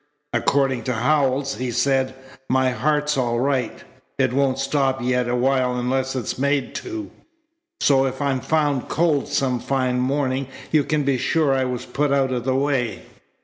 According to Howells, he said: 'My heart's all right. It won't stop yet awhile unless it's made to. So if I'm found cold some fine morning you can be sure I was put out of the way.'"